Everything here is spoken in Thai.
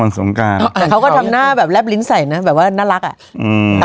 วันสงการเขาก็ทำหน้าแบบแรบลิ้นใสนะแบบว่าน่ารักอะ